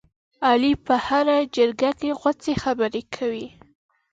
علي په هره جرګه کې غوڅې خبرې کوي.